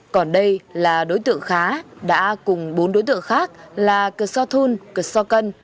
còn đây là đối tượng khá đã cùng bốn đối tượng khác là cửa so thun cửa so cân